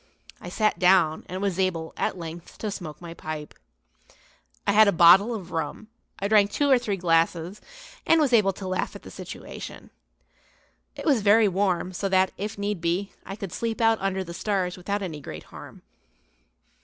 I sat down and was able, at length, to smoke my pipe. I had a bottle of rum; I drank two or three glasses, and was able to laugh at the situation. It was very warm; so that, if need be, I could sleep out under the stars without any great harm.